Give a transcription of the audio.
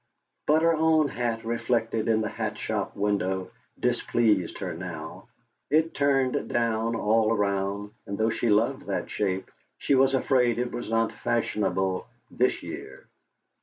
But her own hat reflected in the hat shop window displeased her now; it turned down all round, and though she loved that shape, she was afraid it was not fashionable this year.